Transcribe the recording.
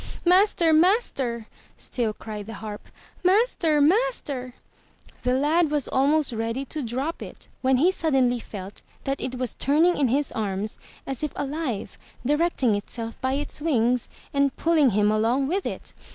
''Master! Master!'' still cried the Harp. "Master! Master!" The lad was almost ready to drop it, when he suddenly felt that it was turning in his arms as if alive, directing itself by its wings, and pulling him along with it.